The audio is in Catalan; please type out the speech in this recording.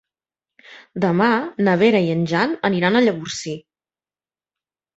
Demà na Vera i en Jan aniran a Llavorsí.